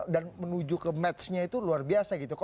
dan menuju ke matchnya itu luar biasa gitu